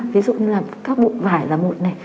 ví dụ như là các bụi vải làm mụn này